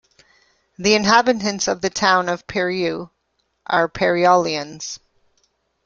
The inhabitants of the town of Peyrieu are "Peyriolans".